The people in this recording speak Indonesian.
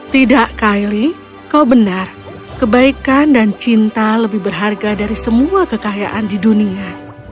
tidak kylie kau benar kebaikan dan cinta lebih berharga dari semua kekayaan di dunia